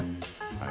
はい。